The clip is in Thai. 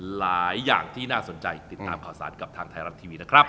หลายอย่างที่น่าสนใจติดตามข่าวสารกับทางไทยรัฐทีวีนะครับ